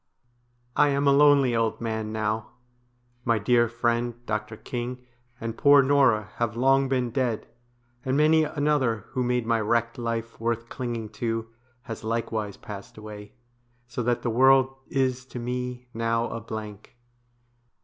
I am a lonely old man now. My dear friend, Dr. King, and poor Norah have long been dead, and many another who made my wrecked life worth clinging to has likewise passed away, so that the world is to me now a blank.